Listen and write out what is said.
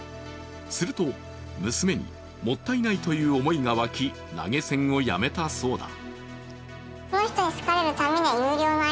すると、娘にもったいないという思いがわき、投げ銭をやめたそうだ。